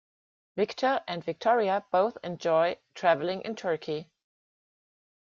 Victor and Victoria both enjoy traveling in Turkey.